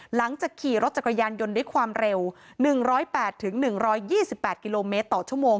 หลังจากขี่รถจักรยานยนต์ด้วยความเร็ว๑๐๘๑๒๘กิโลเมตรต่อชั่วโมง